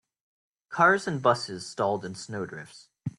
Cars and busses stalled in snow drifts.